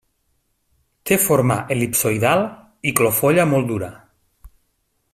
Té forma el·lipsoidal i clofolla molt dura.